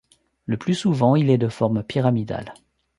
Le plus souvent il est de forme pyramidale.